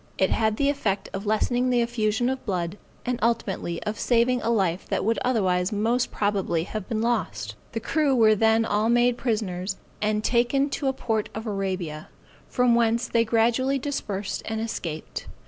It had the effect of lessening the effusion of blood, and ultimately of saving a life that would otherwise most probably have been lost. The crew were then all made prisoners, and taken to a port of Arabia, from whence they gradually dispersed and escaped.